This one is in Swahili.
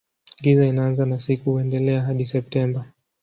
Giza inaanza na usiku huendelea hadi Septemba.